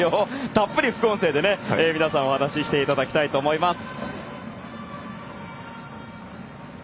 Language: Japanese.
たっぷり副音声で皆さん、お話ししていただきたいと思います。